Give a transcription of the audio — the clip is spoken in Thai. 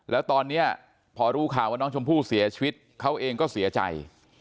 แล้วตอนนี้พอรู้ข่าวว่าน้องชมพู่เสียชีวิตเขาเองก็เสียใจ